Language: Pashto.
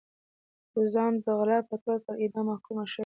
سوزانا د غلا په تور پر اعدام محکومه شوې وه.